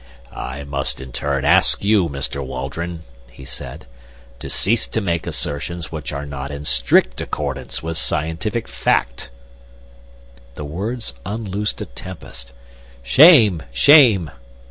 "I must in turn ask you, Mr. Waldron," he said, "to cease to make assertions which are not in strict accordance with scientific fact." The words unloosed a tempest. "Shame! Shame!"